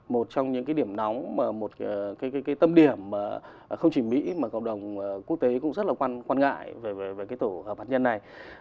một trong những cái điểm nóng mà một cái tâm điểm không chỉ mỹ mà cộng đồng quốc tế cũng rất là quan ngại về cái tổ hợp hạt nhân này